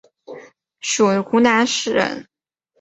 属湖南省。